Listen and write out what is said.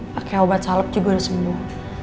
pakai obat salep juga udah sembuh